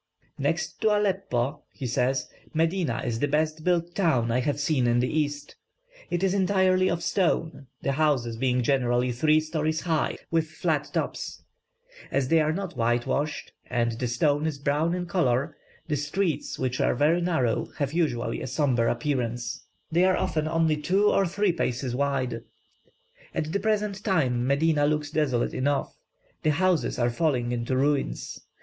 "Next to Aleppo," he says, "Medina is the best built town I have seen in the East. It is entirely of stone, the houses being generally three stories high, with flat tops. As they are not whitewashed, and the stone is brown in colour, the streets, which are very narrow, have usually a sombre appearance. They are often only two or three paces wide. At the present time Medina looks desolate enough; the houses are falling into ruins.